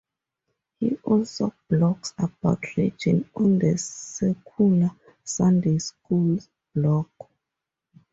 He also blogs about religion on the Secular Sunday School blog.